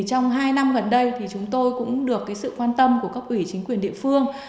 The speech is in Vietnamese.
trong hai năm gần đây thì chúng tôi cũng được sự quan tâm của cấp ủy chính quyền địa phương